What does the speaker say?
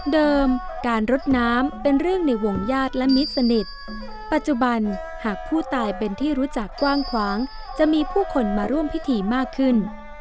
การรดน้ำเป็นเรื่องในวงญาติและมิตรสนิทปัจจุบันหากผู้ตายเป็นที่รู้จักกว้างขวางจะมีผู้คนมาร่วมพิธีมากขึ้น